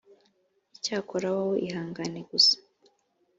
icyakora wowe ihangane gusa